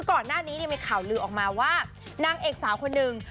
ก่อนหน้านี้มีข่าวลือออกมาว่านางเอกสาวคนหนึ่ง